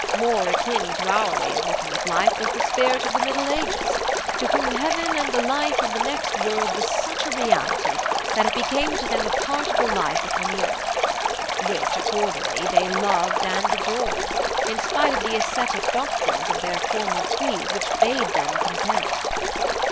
More akin to our way of looking at life was the spirit of the Middle Ages, to whom heaven and the life of the next world was such a reality, that it became to them a part of the life upon the earth; which accordingly they loved and adorned, in spite of the ascetic doctrines of their formal creed, which bade them contemn it.